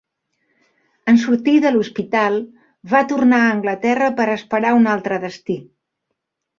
En sortir de l'hospital va tornar a Anglaterra per esperar un altre destí.